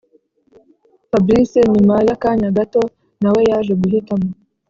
fabric nyuma yakanya gato nawe yaje guhitamo